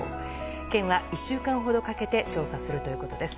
県は１週間ほどかけて調査するということです。